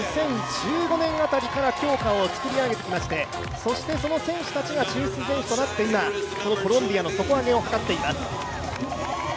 ２０１５年辺りから強化を積み上げてきましてその選手たちが中心選手となって今、このコロンビアの底上げを図っています。